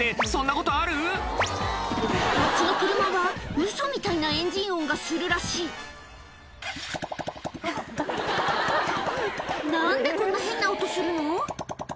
こっちの車はウソみたいなエンジン音がするらしい何でこんな変な音するの？